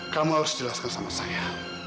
kamu harus jelaskan sama saya